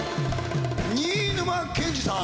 新沼謙治さん！